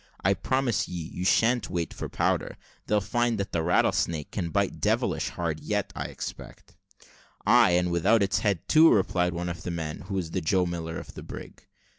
I promise ye, you sha'n't wait for powder. They'll find that the Rattlesnake can bite devilish hard yet, I expect." "Ay, and without its head, too," replied one of the men, who was the Joe Miller of the brig.